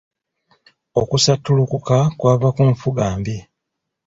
Okusattulukuka kwava ku nfuga mbi.